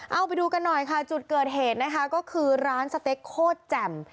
เอาไปดูกันหน่อยค่ะจุดเกิดเหตุนะคะก็คือร้านสเต็กโคตรแจ่ม